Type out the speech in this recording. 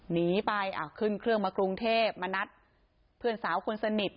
หนีไปขึ้นเครื่องมากรุงเทพมานัดเพื่อนสาวคนสนิท